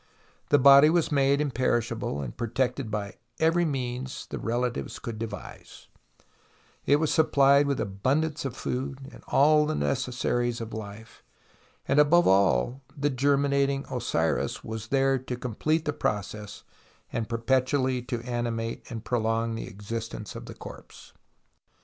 The body was made imperishable and protected by every means the relatives could devise : it was supplied with abundance of food and all the necessaries of life ; and, above all, the "germinating Osiris" was there to complete the process and perpetually to animate and prolong the existence of the corpse.